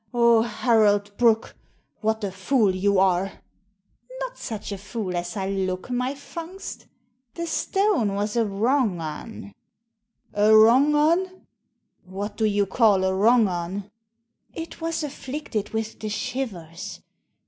" Oh, Harold Brooke, what a fool you are 1 " "Not such a fool as I look, my Fungst The stone was a wrong un." "A wrong un ! What you call a wrong un ?" "It was afflicted with the shivers.